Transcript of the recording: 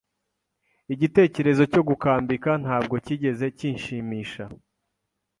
Igitekerezo cyo gukambika ntabwo cyigeze kinshimisha.